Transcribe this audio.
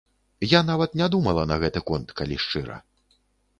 Я нават не думала на гэты конт, калі шчыра.